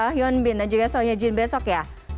hyunbin dan juga sohyejin besok ya